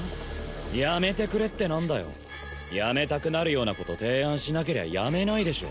やめてくれって何だよやめたくなるようなこと提案しなけりゃやめないでしょ